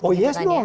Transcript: oh yes doang